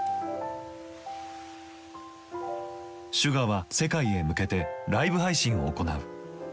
ＳＵＧＡは世界へ向けてライブ配信を行う。